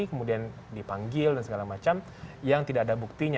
kemudian dipanggil dan segala macam yang tidak ada buktinya